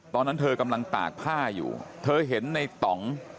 ตอนนั้นเธอกำลังตากผ้าอยู่เธอเห็นในต่อง